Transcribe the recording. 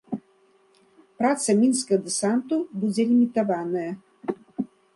Праца мінскага дэсанту будзе лімітаваная.